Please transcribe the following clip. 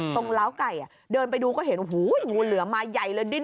ตรงร้าวไก่อะเดินไปดูก็เห็นโอ้โหงูเหลือมาใหญ่เลย